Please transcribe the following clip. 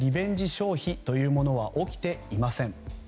消費というものは起きていません。